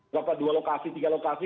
berapa dua lokasi tiga lokasi